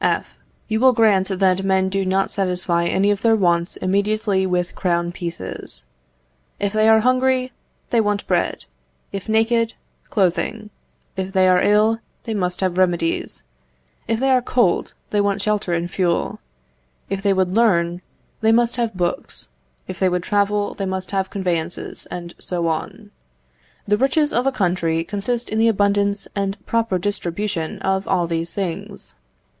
F. You will grant that men do not satisfy any of their wants immediately with crown pieces. If they are hungry, they want bread; if naked, clothing; if they are ill, they must have remedies; if they are cold, they want shelter and fuel; if they would learn, they must have books; if they would travel, they must have conveyances and so on. The riches of a country consist in the abundance and proper distribution of all these things.